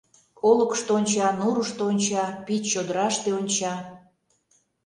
Олыкышто онча, Нурышто онча, Пич чодыраште онча.